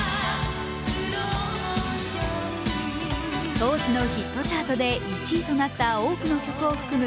当時のヒットチャートで１位となった多くの曲を含む